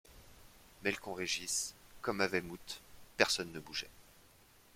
Melcomb-Regis comme à Weymouth personne ne bougeait.